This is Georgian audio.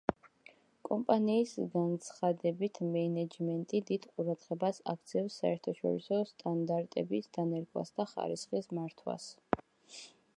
კომპანიის განცხადებით, მენეჯმენტი დიდ ყურადღებას აქცევს საერთაშორისო სტანდარტების დანერგვას და ხარისხის მართვას.